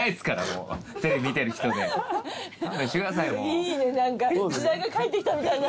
いいね何か時代が返ってきたみたいな。